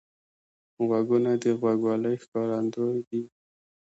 غوږونه د غوږوالۍ ښکارندوی دي